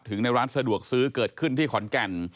ในร้านสะดวกซื้อเกิดขึ้นที่ขอนแก่น